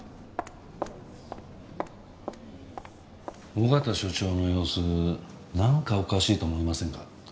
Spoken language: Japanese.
緒方署長の様子なんかおかしいと思いませんか？